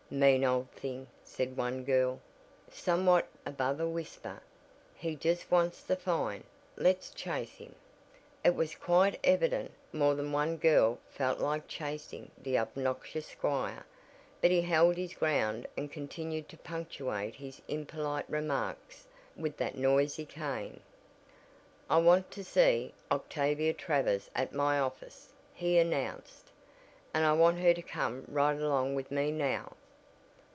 "Mean old thing!" said one girl, somewhat above a whisper, "he just wants the fine. Let's chase him!" It was quite evident more than one girl felt like "chasing" the obnoxious squire, but he held his ground and continued to punctuate his impolite remarks with that noisy cane. "I want to see Octavia Travers at my office," he announced, "and I want her to come right along with me now!"